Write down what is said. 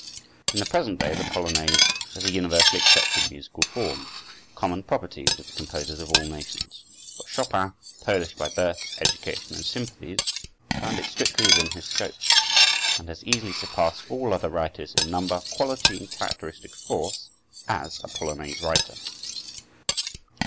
In the present day the polonaise is a universally accepted musical form, common property with the composers of all nations. But Chopin, Polish by birth, education, and sympathies, found it strictly within his scope, and has easily surpassed all other writers in number, quality, and characteristic force as a polonaise writer.